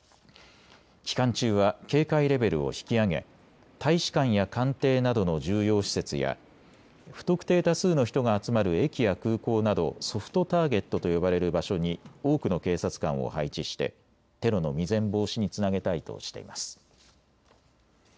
期間中は警戒レベルを引き上げ大使館や官邸などの重要施設や不特定多数の人が集まる駅や空港などソフトターゲットと呼ばれる場所に多くの警察官を配置してテロの未然防止につなげたいとしています。